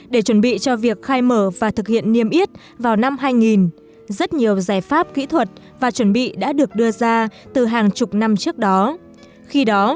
để chuẩn bị cho việc khai mở và thực hiện niêm yết vào năm hai nghìn rất nhiều giải pháp kỹ thuật và chuẩn bị đã được đưa ra từ hàng chục năm trước đó